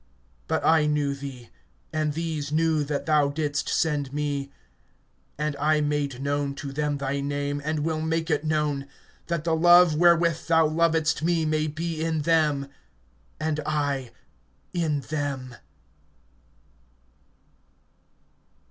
But I knew thee, and these knew that thou didst send me; (26)and I made known to them thy name, and will make it known; that the love wherewith thou lovedst me may be in them, and I in them.